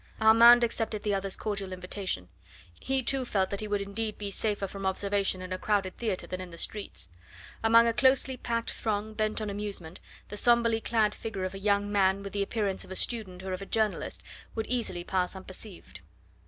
Armand accepted the other's cordial invitation. He, too, felt that he would indeed be safer from observation in a crowded theatre than in the streets. Among a closely packed throng bent on amusement the sombrely clad figure of a young man, with the appearance of a student or of a journalist, would easily pass unperceived.